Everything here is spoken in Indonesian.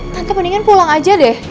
tangkep mendingan pulang aja deh